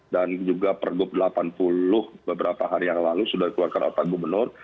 dan juga pergub delapan puluh beberapa hari yang lalu sudah dikeluarkan oleh pak gubernur